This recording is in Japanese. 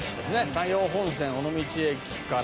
山陽本線尾道駅からですね」